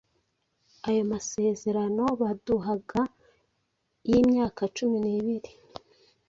ayo masezerano baduhaga y’imyaka cumi nibiri